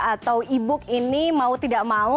atau e book ini mau tidak mau